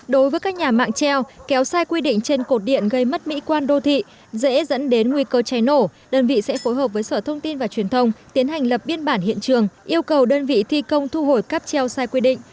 đối với các nhà mạng treo kéo sai quy định trên cột điện gây mất mỹ quan đô thị dễ dẫn đến nguy cơ cháy nổ đơn vị sẽ phối hợp với sở thông tin và truyền thông tiến hành lập biên bản hiện trường yêu cầu đơn vị thi công thu hồi cáp treo sai quy định